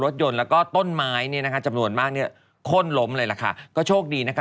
ซึ่งบางครั้ง